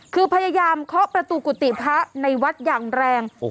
คือพยายามเคาะประตูกุฏิพระในวัดอย่างแรง